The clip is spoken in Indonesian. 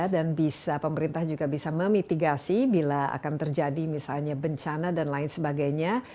dan pemerintah juga bisa memitigasi bila akan terjadi misalnya bencana dan lain sebagainya